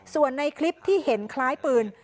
ส่วนในคลิปที่เห็นคล้ายปืน